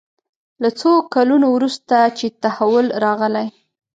له څو کلونو وروسته چې تحول راغلی.